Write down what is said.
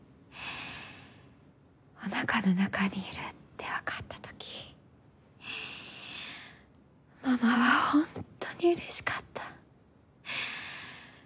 お腹の中にいるって分かった時ママはホントにうれしかった。